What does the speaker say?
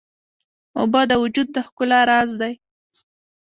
اوبه د وجود د ښکلا راز دي.